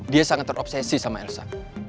dia sangat terobsesi sama elsa